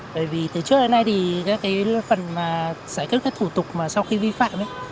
bởi vì từ trước đến nay thì cái phần xảy kết các thủ tục mà sau khi vi phạm ấy